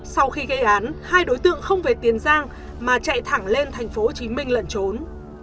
sau khi gây án hai đối tượng không về tiền giang mà chạy thẳng lên tp hcm lẩn trốn